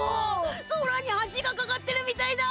空に橋がかかってるみたいだ！